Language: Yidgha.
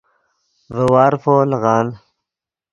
ڤے وارفو لیغان